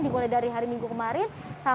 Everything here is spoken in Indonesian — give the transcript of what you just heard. dimulai dari hari minggu kemarin